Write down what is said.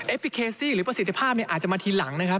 พลิเคซี่หรือประสิทธิภาพอาจจะมาทีหลังนะครับ